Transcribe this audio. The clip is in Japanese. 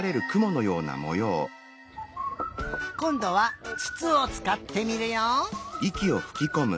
こんどはつつをつかってみるよ！